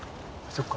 そっか。